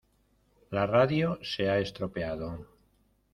La radio se ha estropeado.